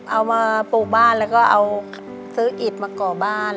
เอามาปลูกบ้านแล้วก็เอาซื้ออิดมาก่อบ้าน